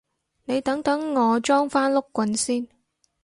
你等等我裝返碌棍先